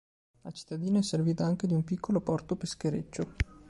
La cittadina è servita anche di un piccolo porto peschereccio.